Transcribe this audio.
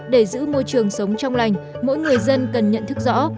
để giữ môi trường sống trong lành mỗi người dân cần nhận thức rõ